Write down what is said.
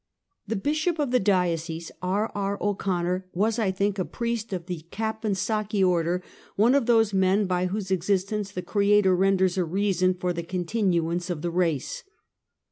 The Bishop of the diocese, R. R. O'Conner, was, I think, a priest of the Capponsacchi order, one of those men by whose existence the Creator renders a reason for the continuance of the race.